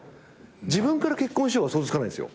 自分から結婚しようは想像つかないんすよ。